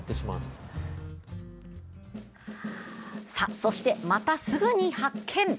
そして、またすぐに発見！